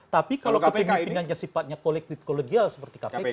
tapi kalau kepemimpinannya sifatnya kolektif kolegial seperti kpk